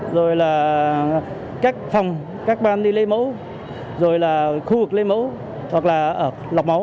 rồi là các phòng các ban đi lấy mẫu rồi là khu vực lấy mẫu hoặc là lọc mẫu